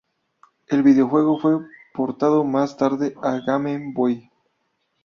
El videojuego fue portado más tarde a Game Boy.